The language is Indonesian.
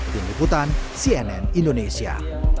dini putan cnn indonesia